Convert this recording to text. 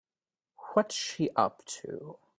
What's she up to?